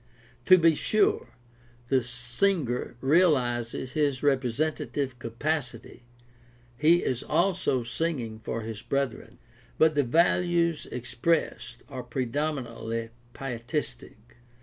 To be sure, the singer realizes his representative capacity — he is also singing for his brethren. But the values expressed are pre dominantly pietistic.